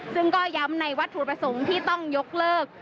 ซึ่งก็ย้ำในวัตถุประสงค์ที่ต้องยกเลิก